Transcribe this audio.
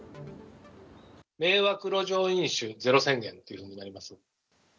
迷惑路上飲酒ゼロ宣言というものになります。